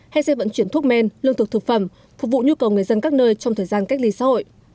hay xe vận chuyển thuốc men lương thực thực phẩm phục vụ nhu cầu người dân các nơi trong thời gian cách ly xã hội